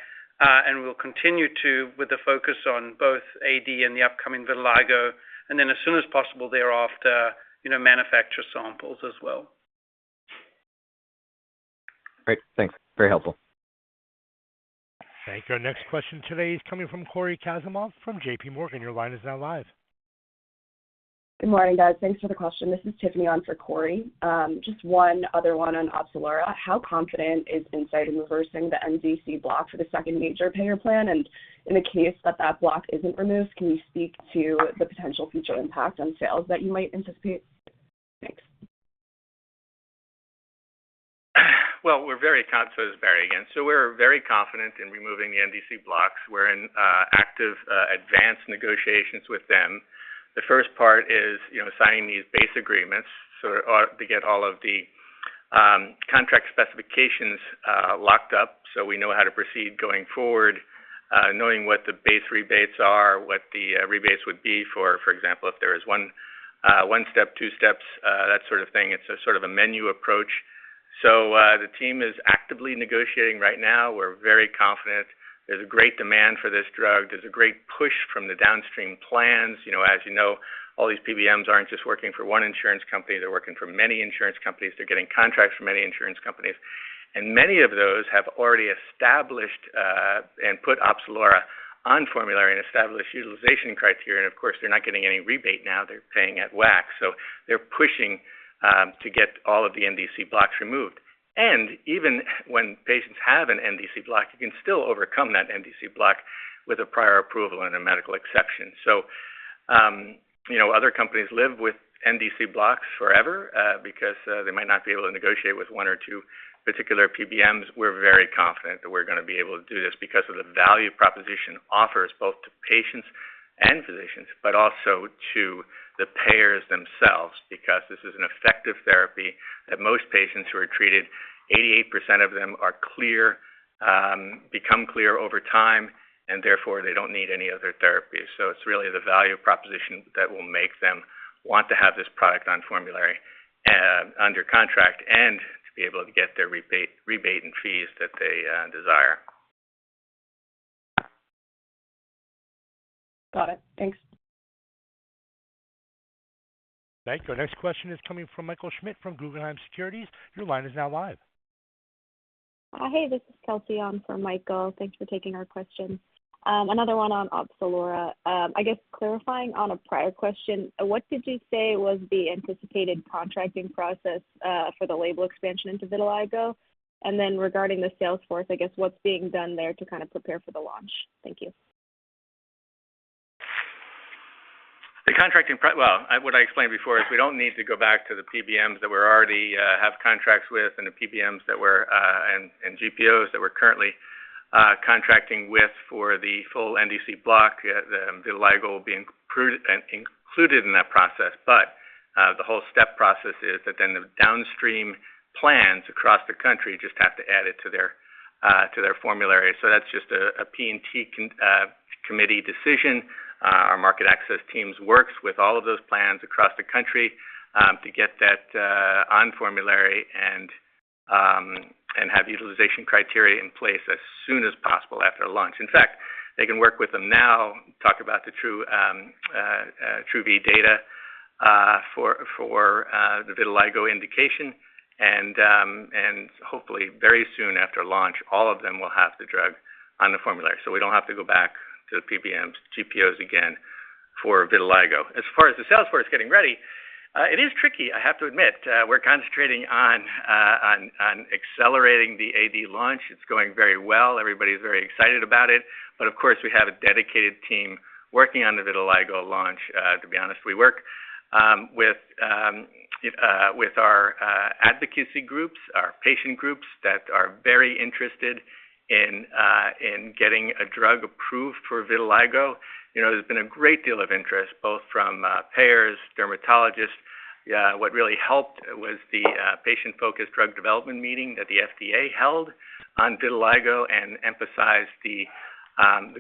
and we'll continue to with the focus on both AD and the upcoming vitiligo, and then as soon as possible thereafter, you know, manufacture samples as well. Great. Thanks. Very helpful. Thank you. Our next question today is coming from Cory Kasimov from JPMorgan. Your line is now live. Good morning, guys. Thanks for the question. This is Tiffany on for Cory. Just one other one on Opzelura. How confident is Incyte in reversing the NDC block for the second major payer plan? In the case that that block isn't removed, can you speak to the potential future impact on sales that you might anticipate? Thanks. It's Barry again. We're very confident in removing the NDC blocks. We're in active advanced negotiations with them. The first part is, you know, signing these base agreements, to get all of the contract specifications locked up, so we know how to proceed going forward, knowing what the base rebates are, what the rebates would be for example, if there is one step, two steps, that sort of thing. It's a sort of a menu approach. The team is actively negotiating right now. We're very confident there's a great demand for this drug. There's a great push from the downstream plans. You know, as you know, all these PBMs aren't just working for one insurance company, they're working for many insurance companies. They're getting contracts from many insurance companies. Many of those have already established and put Opzelura on formulary and established utilization criteria. Of course, they're not getting any rebate now. They're paying at WAC. They're pushing to get all of the NDC blocks removed. Even when patients have an NDC block, you can still overcome that NDC block with a prior approval and a medical exception. You know, other companies live with NDC blocks forever because they might not be able to negotiate with one or two particular PBMs. We're very confident that we're gonna be able to do this because of the value proposition offers both to patients and physicians, but also to the payers themselves, because this is an effective therapy that most patients who are treated, 88% of them are clear, become clear over time, and therefore they don't need any other therapy. It's really the value proposition that will make them want to have this product on formulary, under contract and to be able to get their rebate and fees that they desire. Got it. Thanks. Thank you. Our next question is coming from Michael Schmidt from Guggenheim Securities. Your line is now live. Hey, this is Kelsey on for Michael. Thanks for taking our question. Another one on Opzelura. I guess clarifying on a prior question, what did you say was the anticipated contracting process for the label expansion into vitiligo? And then regarding the sales force, I guess, what's being done there to kinda prepare for the launch? Thank you. Well, what I explained before is we don't need to go back to the PBMs that we're already have contracts with and the PBMs that we're and GPOs that we're currently contracting with for the full NDC block. The vitiligo will be included in that process. But the whole step process is that then the downstream plans across the country just have to add it to their to their formulary. So that's just a P&T committee decision. Our market access teams works with all of those plans across the country to get that on formulary and have utilization criteria in place as soon as possible after launch. In fact, they can work with them now, talk about the TRuE-V data for the vitiligo indication. Hopefully very soon after launch, all of them will have the drug on the formulary, so we don't have to go back to the PBMs, GPOs again for vitiligo. As far as the sales force getting ready, it is tricky, I have to admit. We're concentrating on accelerating the AD launch. It's going very well. Everybody's very excited about it. But of course, we have a dedicated team working on the vitiligo launch, to be honest. We work with our advocacy groups, our patient groups that are very interested in getting a drug approved for vitiligo. You know, there's been a great deal of interest, both from payers, dermatologists. What really helped was the patient-focused drug development meeting that the FDA held on vitiligo and emphasized the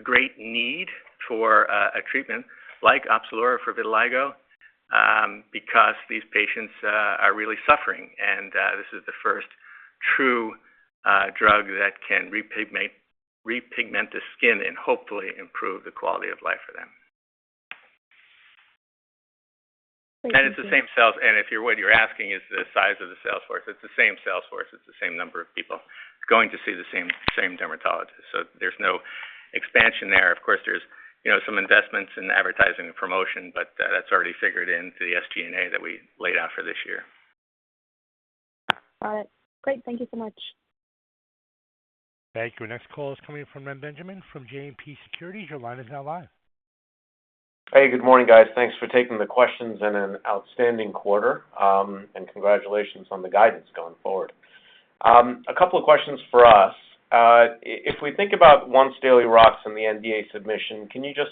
great need for a treatment like Opzelura for vitiligo, because these patients are really suffering. This is the first true drug that can repigment the skin and hopefully improve the quality of life for them. Thank you. It's the same sales. If what you're asking is the size of the sales force, it's the same sales force. It's the same number of people going to see the same dermatologist. There's no expansion there. Of course, there's you know, some investments in advertising and promotion, but that's already figured into the SG&A that we laid out for this year. All right. Great. Thank you so much. Thank you. Next call is coming from Reni Benjamin from JMP Securities. Your line is now live. Hey, good morning, guys. Thanks for taking the questions and an outstanding quarter, and congratulations on the guidance going forward. A couple of questions for us. If we think about once-daily RUX and the NDA submission, can you just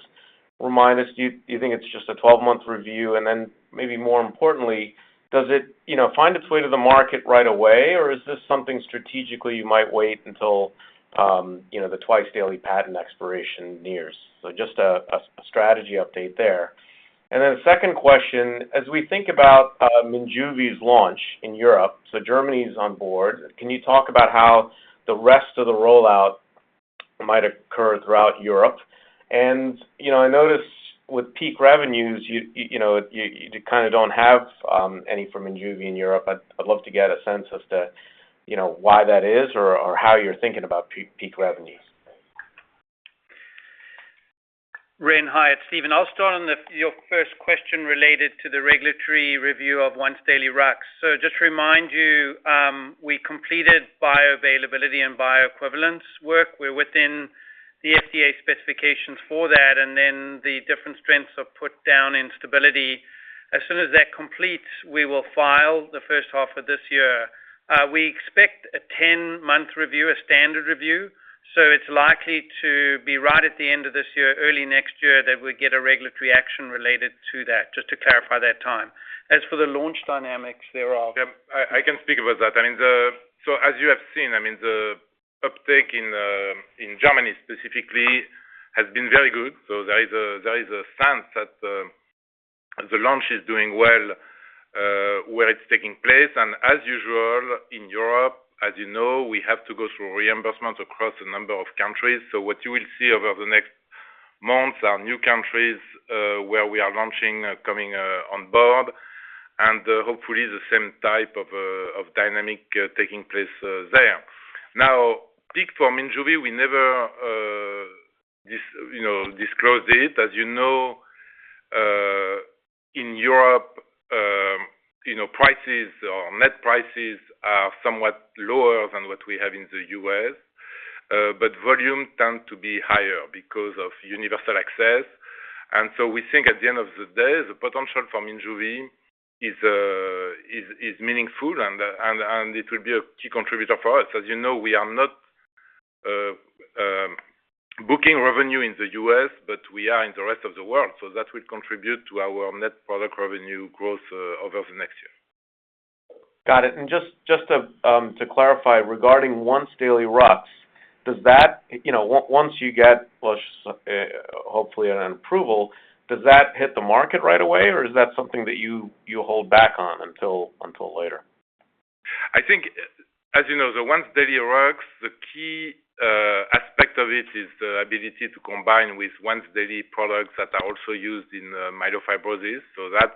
remind us, do you think it's just a 12-month review? And then maybe more importantly, does it, you know, find its way to the market right away? Or is this something strategically you might wait until, you know, the twice-daily patent expiration nears? So just a strategy update there. And then second question, as we think about, Monjuvi's launch in Europe, so Germany is on board. Can you talk about how the rest of the rollout might occur throughout Europe? And, you know, I notice with peak revenues, you know, you kinda don't have any from Monjuvi in Europe. I'd love to get a sense as to, you know, why that is or how you're thinking about peak revenues. Ben, hi, it's Steven. I'll start on your first question related to the regulatory review of once-daily RUX. Just to remind you, we completed bioavailability and bioequivalence work. We're within the FDA specifications for that, and then the different strengths are put down in stability. As soon as that completes, we will file the first half of this year. We expect a 10-month review, a standard review, so it's likely to be right at the end of this year, early next year, that we get a regulatory action related to that, just to clarify that time. As for the launch dynamics, there are Yeah, I can speak about that. I mean, as you have seen, I mean, the uptake in Germany specifically has been very good. There is a sense that the launch is doing well where it's taking place. As usual in Europe, as you know, we have to go through reimbursements across a number of countries. What you will see over the next months are new countries where we are launching coming on board, and hopefully the same type of dynamic taking place there. Now, peak for Monjuvi, we never disclose it. As you know, in Europe, you know, prices or net prices are somewhat lower than what we have in The U.S. Volume tend to be higher because of universal access. We think at the end of the day, the potential for Monjuvi is meaningful and it will be a key contributor for us. As you know, we are not booking revenue in The U.S., but we are in the rest of the world, so that will contribute to our net product revenue growth over the next year. Got it. Just to clarify, regarding once-daily RUX, does that, you know, once you get hopefully an approval, does that hit the market right away, or is that something that you hold back on until later? I think, as you know, the once-daily RUX, the key aspect of it is the ability to combine with once daily products that are also used in myelofibrosis. That's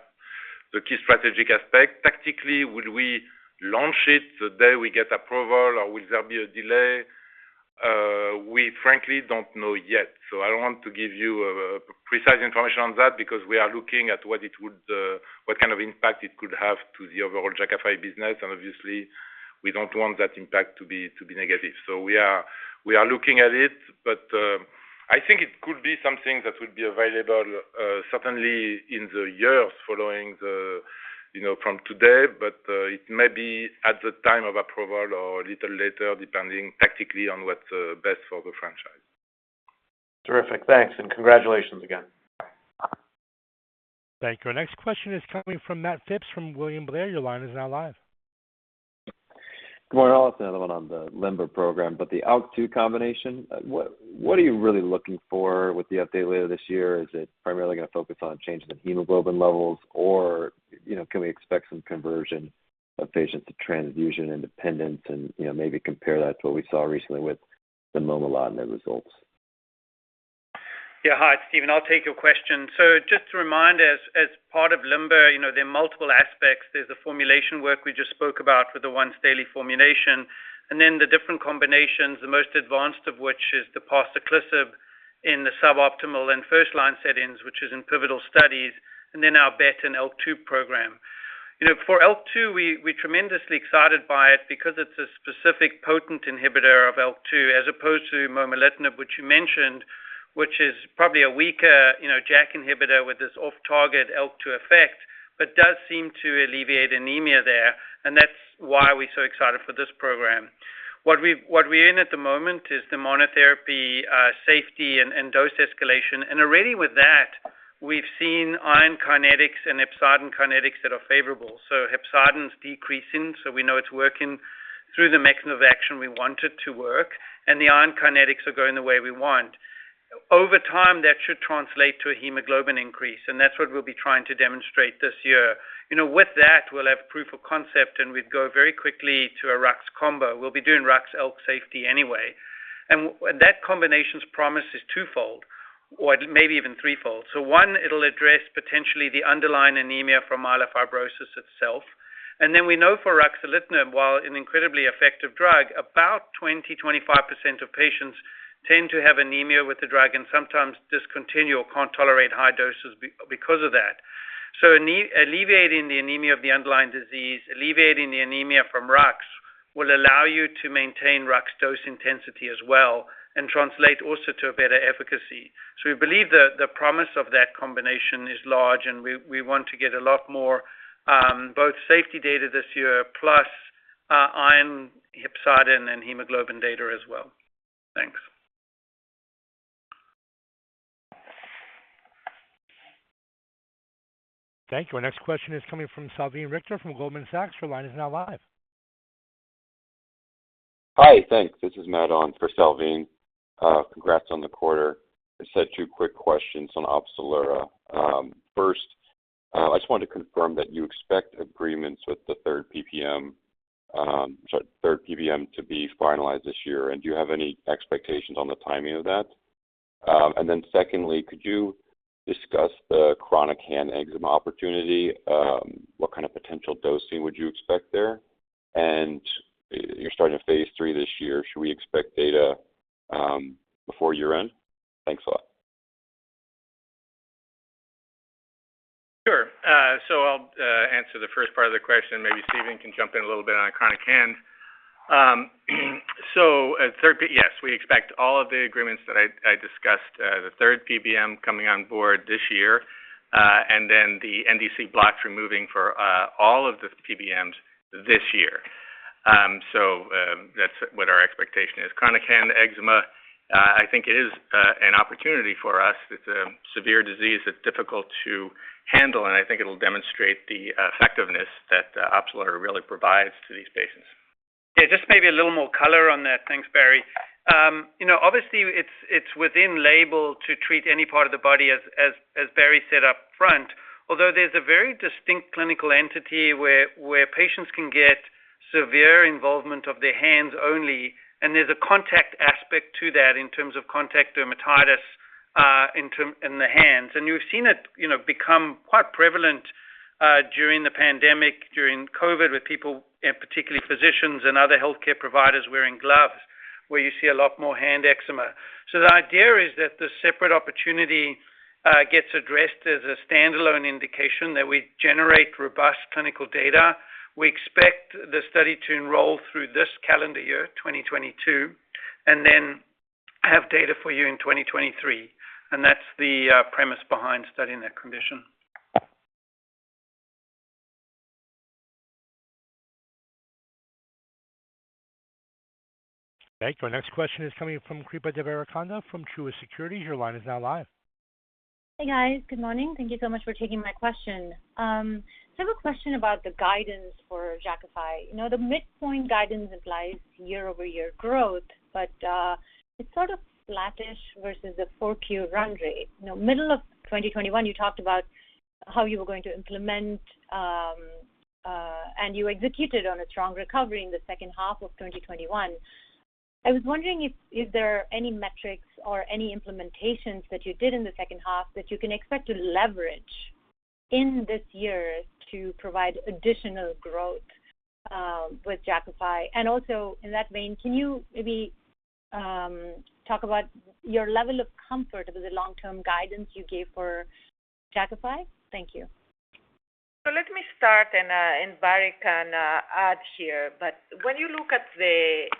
the key strategic aspect. Tactically, will we launch it the day we get approval or will there be a delay? We frankly don't know yet. I don't want to give you precise information on that because we are looking at what it would, what kind of impact it could have to the overall Jakafi business. Obviously we don't want that impact to be negative. We are looking at it. I think it could be something that would be available certainly in the years following, you know, from today. It may be at the time of approval or a little later, depending tactically on what's best for the franchise. Terrific. Thanks, and congratulations again. Thank you. Our next question is coming from Matt Phipps from William Blair. Your line is now live. Good morning, all. I have another one on the LIMBER program, but the ALK-2 combination, what are you really looking for with the update later this year? Is it primarily gonna focus on changing the hemoglobin levels or, you know, can we expect some conversion of patients to transfusion independence and, you know, maybe compare that to what we saw recently with the momelotinib results? Yeah. Hi, it's Steven. I'll take your question. So just to remind us, as part of LIMBER, you know, there are multiple aspects. There's the formulation work we just spoke about with the once daily formulation and then the different combinations, the most advanced of which is the Parsaclisib in the suboptimal and first line settings, which is in pivotal studies, and then our BET and ALK-2 program. You know, for ALK-2, we're tremendously excited by it because it's a specific potent inhibitor of ALK-2 as opposed to momelotinib, which you mentioned, which is probably a weaker, you know, JAK inhibitor with this off target ALK-2 effect, but does seem to alleviate anemia there. That's why we're so excited for this program. What we're in at the moment is the monotherapy safety and dose escalation. Already with that, we've seen iron kinetics and hepcidin kinetics that are favorable. Hepcidin is decreasing, so we know it's working through the mechanism of action we want it to work, and the iron kinetics are going the way we want. Over time, that should translate to a hemoglobin increase, and that's what we'll be trying to demonstrate this year. You know, with that, we'll have proof of concept, and we'd go very quickly to a RUX combo. We'll be doing RUX ALK safety anyway. That combination's promise is twofold or maybe even threefold. One, it'll address potentially the underlying anemia from myelofibrosis itself. Then we know for ruxolitinib, while an incredibly effective drug, about 20-25% of patients tend to have anemia with the drug and sometimes discontinue or can't tolerate high doses because of that. Alleviating the anemia of the underlying disease, alleviating the anemia from RUX will allow you to maintain RUX dose intensity as well and translate also to a better efficacy. We believe the promise of that combination is large, and we want to get a lot more both safety data this year, plus iron hepcidin and hemoglobin data as well. Thanks. Thank you. Our next question is coming from Salveen Richter from Goldman Sachs. Your line is now live. Hi. Thanks. This is Matt on for Salveen. Congrats on the quarter. Just had two quick questions on Opzelura. First, I just wanted to confirm that you expect agreements with the third PBM to be finalized this year. Do you have any expectations on the timing of that? Secondly, could you discuss the chronic hand eczema opportunity? What kind of potential dosing would you expect there? You're starting a phase III this year. Should we expect data before year-end? Thanks a lot. Sure. I'll answer the first part of the question. Maybe Steven can jump in a little bit on chronic hand. Third, yes, we expect all of the agreements that I discussed, the third PBM coming on board this year, and then the NDC blocks removing for all of the PBMs this year. That's what our expectation is. Chronic Hand Eczema, I think it is an opportunity for us. It's a severe disease that's difficult to handle, and I think it'll demonstrate the effectiveness that Opzelura really provides to these patients. Yeah, just maybe a little more color on that. Thanks, Barry. You know, obviously it's within label to treat any part of the body as Barry said up front. Although there's a very distinct clinical entity where patients can get severe involvement of their hands only, and there's a contact aspect to that in terms of contact dermatitis in the hands. You've seen it, you know, become quite prevalent during the pandemic, during COVID with people and particularly physicians and other healthcare providers wearing gloves, where you see a lot more hand eczema. So the idea is that this separate opportunity gets addressed as a standalone indication that we generate robust clinical data. We expect the study to enroll through this calendar year, 2022, and then have data for you in 2023. That's the premise behind studying that condition. Thank you. Our next question is coming from Kripa Devarakonda from Truist Securities. Your line is now live. Hey, guys. Good morning. Thank you so much for taking my question. So I have a question about the guidance for Jakafi. You know, the midpoint guidance implies year-over-year growth, but it's sort of flattish versus a Q4 run rate. You know, middle of 2021, you talked about how you were going to implement, and you executed on a strong recovery in the second half of 2021. I was wondering if there are any metrics or any implementations that you did in the second half that you can expect to leverage in this year to provide additional growth with Jakafi. Also in that vein, can you maybe talk about your level of comfort with the long-term guidance you gave for Jakafi? Thank you. Let me start, and Barry can add here. When you look at the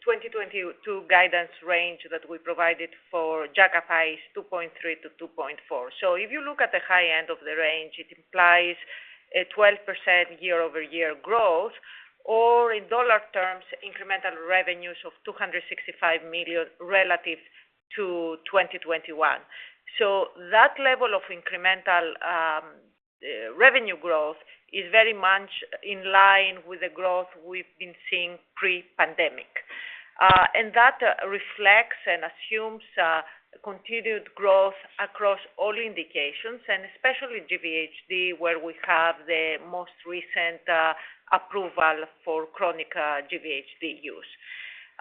2022 guidance range that we provided for Jakafi is $2.3 billion-$2.4 billion. If you look at the high end of the range, it implies a 12% year-over-year growth, or in dollar terms, incremental revenues of $265 million relative to 2021. That level of incremental revenue growth is very much in line with the growth we've been seeing pre-pandemic. That reflects and assumes continued growth across all indications, and especially GVHD, where we have the most recent approval for chronic GVHD use.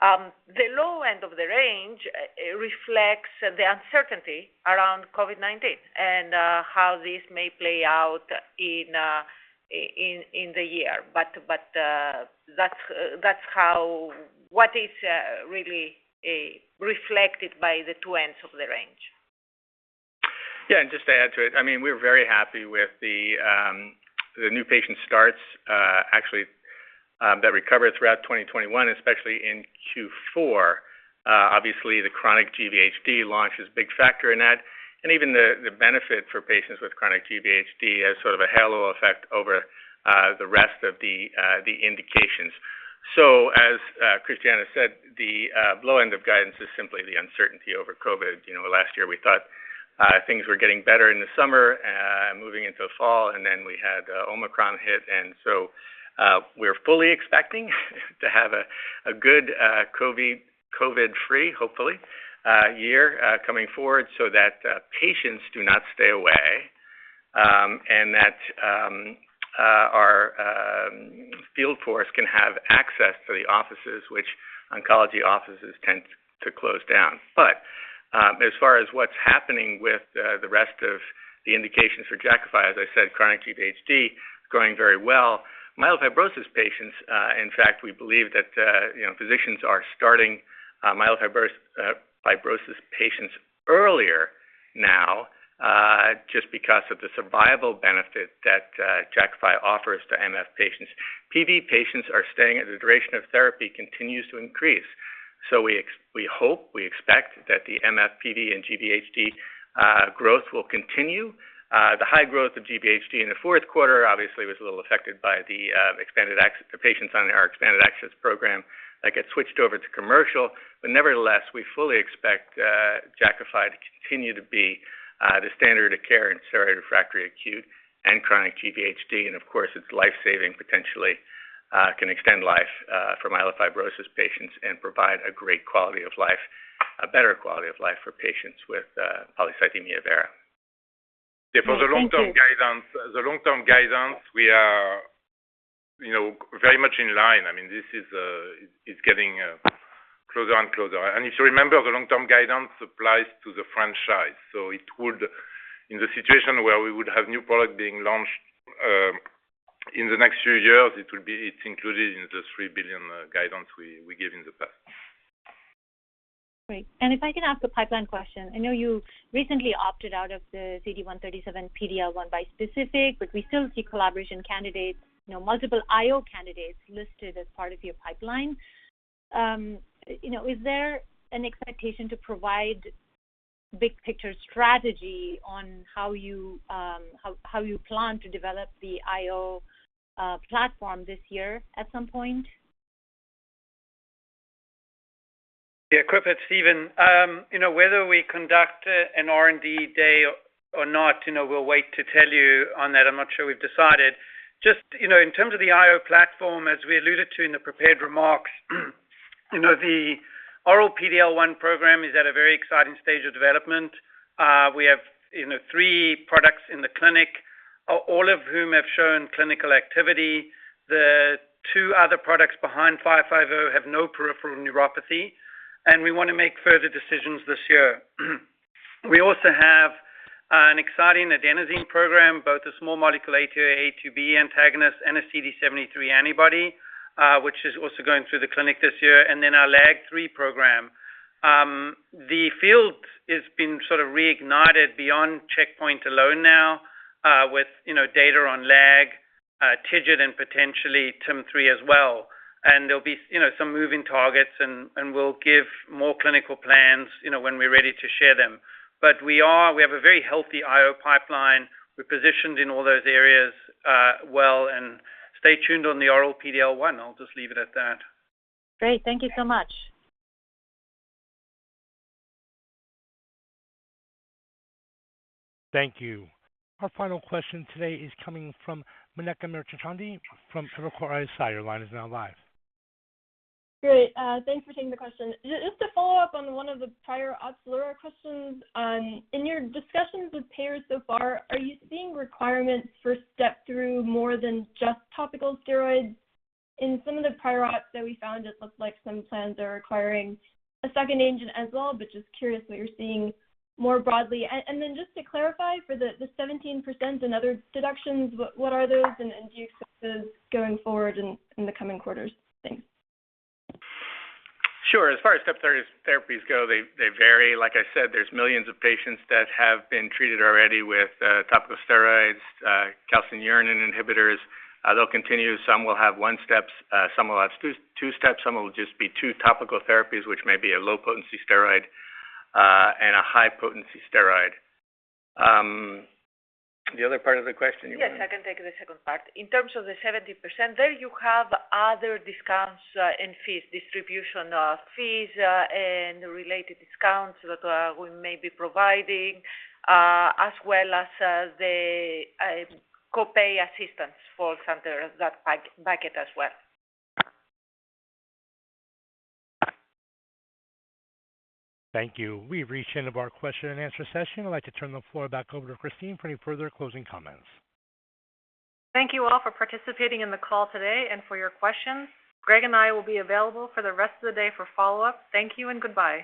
The low end of the range reflects the uncertainty around COVID-19 and how this may play out in the year. That's what is really reflected by the two ends of the range. Yeah. Just to add to it. I mean, we're very happy with the new patient starts, actually, that recovered throughout 2021, especially in Q4. Obviously, the chronic GVHD launch is a big factor in that. Even the benefit for patients with chronic GVHD has sort of a halo effect over the rest of the indications. As Christiana said, the low end of guidance is simply the uncertainty over COVID. You know, last year, we thought things were getting better in the summer, moving into fall, and then we had Omicron hit. We're fully expecting to have a good COVID-free, hopefully, year coming forward, so that patients do not stay away, and that our field force can have access to the offices which oncology offices tend to close down. As far as what's happening with the rest of the indications for Jakafi, as I said, chronic GVHD is growing very well. Myelofibrosis patients, in fact, we believe that, you know, physicians are starting myelofibrosis patients earlier now, just because of the survival benefit that Jakafi offers to MF patients. PV patients are staying, and the duration of therapy continues to increase. We hope, we expect that the MF, PV, and GVHD growth will continue. The high growth of GVHD in the fourth quarter obviously was a little affected by the patients on our expanded access program that get switched over to commercial. Nevertheless, we fully expect Jakafi to continue to be the standard of care in steroid-refractory acute and chronic GVHD. Of course, it's life-saving, potentially can extend life for myelofibrosis patients and provide a great quality of life, a better quality of life for patients with polycythemia vera. Thank you. Yeah, for the long-term guidance, we are, you know, very much in line. I mean, this is getting closer and closer. If you remember, the long-term guidance applies to the franchise. In the situation where we would have new product being launched in the next few years, it's included in the $3 billion guidance we gave in the past. Great. If I can ask a pipeline question. I know you recently opted out of the CD137 PD-L1 bispecific, but we still see collaboration candidates, you know, multiple IO candidates listed as part of your pipeline. You know, is there an expectation to provide big picture strategy on how you plan to develop the IO platform this year at some point? Yeah, Kripa. It's Steven. You know, whether we conduct an R&D day or not, you know, we'll wait to tell you on that. I'm not sure we've decided. Just, you know, in terms of the IO platform, as we alluded to in the prepared remarks, you know, the oral PD-L1 program is at a very exciting stage of development. We have, you know, three products in the clinic, all of whom have shown clinical activity. The two other products behind 550 have no peripheral neuropathy, and we wanna make further decisions this year. We also have an exciting adenosine program, both a small molecule A2A/A2B antagonist and a CD73 antibody, which is also going through the clinic this year, and then our LAG-3 program. The field has been sort of reignited beyond checkpoint alone now, with, you know, data on LAG-3, TIGIT, and potentially TIM-3 as well. There'll be, you know, some moving targets, and we'll give more clinical plans, you know, when we're ready to share them. But we have a very healthy IO pipeline. We're positioned in all those areas, well, and stay tuned on the oral PD-L1. I'll just leave it at that. Great. Thank you so much. Thank you. Our final question today is coming from. Your line is now live. Great. Thanks for taking the question. Just to follow up on one of the prior Opzelura questions. In your discussions with payers so far, are you seeing requirements for step through more than just topical steroids? In some of the prior ops that we found, it looked like some plans are requiring a second agent as well. Just curious what you're seeing more broadly. Then just to clarify for the 17% and other deductions, what are those? Do you expect those going forward in the coming quarters? Thanks. Sure. As far as step therapies go, they vary. Like I said, there's millions of patients that have been treated already with topical steroids, calcineurin inhibitors. They'll continue. Some will have one steps, some will have two steps, some will just be two topical therapies, which may be a low-potency steroid and a high-potency steroid. The other part of the question you wanted. Yes, I can take the second part. In terms of the 70%, there you have other discounts and fees, distribution fees, and related discounts that we may be providing, as well as the copay assistance falls under that pay-bucket as well. Thank you. We've reached the end of our question and answer session. I'd like to turn the floor back over to Christine for any further closing comments. Thank you all for participating in the call today and for your questions. Greg and I will be available for the rest of the day for follow-up. Thank you and goodbye.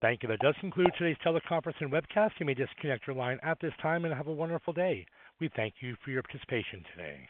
Thank you. That does conclude today's teleconference and webcast. You may disconnect your line at this time and have a wonderful day. We thank you for your participation today.